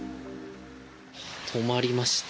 止まりました。